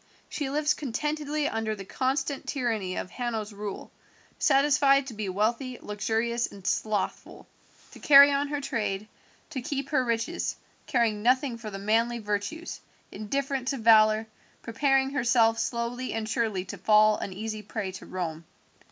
She lives contentedly under the constant tyranny of Hanno's rule, satisfied to be wealthy, luxurious, and slothful, to carry on her trade, to keep her riches, caring nothing for the manly virtues, indifferent to valour, preparing herself slowly and surely to fall an easy prey to Rome.